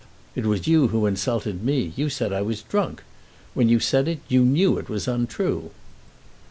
"It was you who insulted me. You said I was drunk. When you said it you knew it was untrue."